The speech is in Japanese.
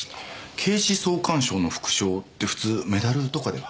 警視総監賞の副賞って普通メダルとかでは。